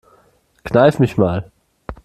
Kneif mich mal.